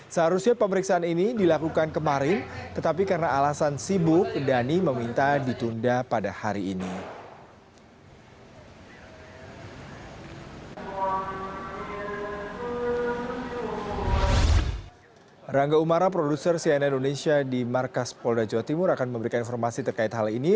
seharusnya pemeriksaan ini dilakukan kemarin tetapi karena alasan sibuk dhani meminta ditunda pada hari ini